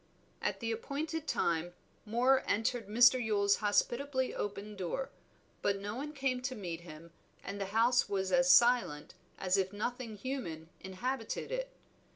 At the appointed time Moor entered Mr. Yule's hospitably open door; but no one came to meet him, and the house was as silent as if nothing human inhabited it.